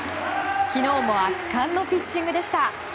昨日も圧巻のピッチングでした。